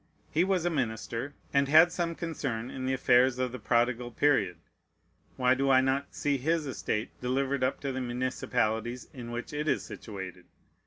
He was a minister, and had some concern in the affairs of that prodigal period. Why do I not see his estate delivered up to the municipalities in which it is situated?